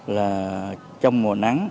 là trong mùa nắng